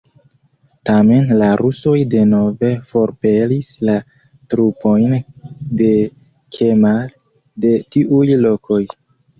Tamen, la rusoj denove forpelis la trupojn de Kemal de tiuj lokoj.